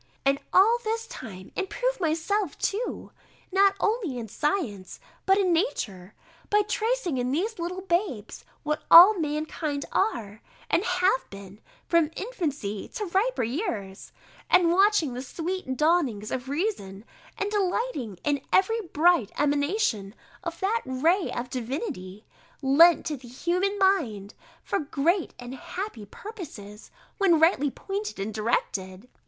And all this time improve myself too, not only in science, but in nature, by tracing in the little babes what all mankind are, and have been, from infancy to riper years, and watching the sweet dawnings of reason, and delighting in every bright emanation of that ray of divinity, lent to the human mind, for great and happy purposes, when rightly pointed and directed.